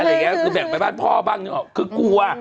อะไรแง่ก็แบ่งไปบ้านพ่อบ้างนี่อะคือกลัว